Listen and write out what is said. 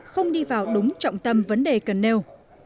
không đi vào đúng trọng tâm vấn đề cần nêu